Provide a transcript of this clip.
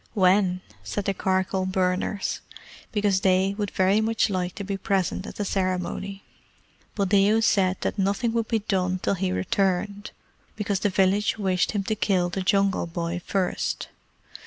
"When?" said the charcoal burners, because they would very much like to be present at the ceremony. Buldeo said that nothing would be done till he returned, because the village wished him to kill the Jungle Boy first.